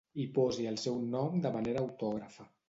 Hi posi el seu nom de manera autògrafa.